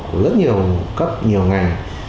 của rất nhiều cấp nhiều ngành